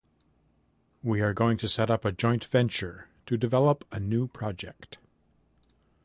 We are going to set up a joint venture to develop a new project.